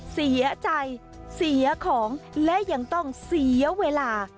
เสียใจเสียของและยังต้องเสียเวลา